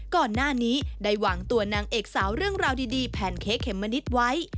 ก่อนหน้านี้ได้วางตัวนางเอกสาวเรื่องราวดีแพนเค้กเขมมะนิดไว้